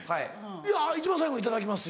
「いや一番最後いただきます」。